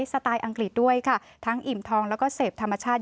สไตลอังกฤษด้วยค่ะทั้งอิ่มทองแล้วก็เสพธรรมชาติ